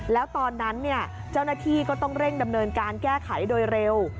แล้วตอนนั้นเจ้าหน้าที่ก็ต้องเร่งดำเนินการแก้ไขโดยเร็ว